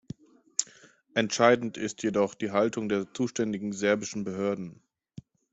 Entscheidend ist jedoch die Haltung der zuständigen serbischen Behörden.